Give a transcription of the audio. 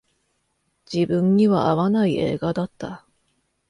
自分には合わない映画だった